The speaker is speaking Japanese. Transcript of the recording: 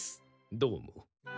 どうも。